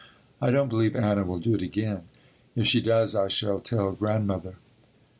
I don't believe Anna will do it again. If she does I shall tell Grandmother.